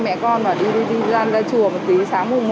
mẹ con đi ra chùa một tí sáng mùa một